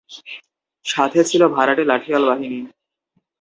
সাথে ছিল ভাড়াটে লাঠিয়াল বাহিনী।